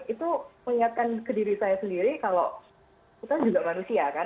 itu mengingatkan ke diri saya sendiri kalau kita juga manusia kan